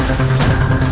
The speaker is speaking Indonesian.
jangan lupa ya